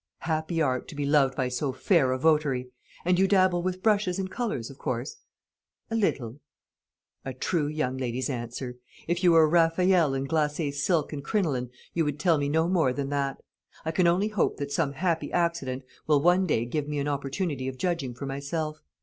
"Happy art, to be loved by so fair a votary! And you dabble with brushes and colours, of course?" "A little." "A true young lady's answer. If you were a Raffaelle in glacé silk and crinoline, you would tell me no more than that. I can only hope that some happy accident will one day give me an opportunity of judging for myself.